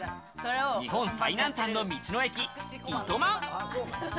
日本最南端の道の駅いとまん。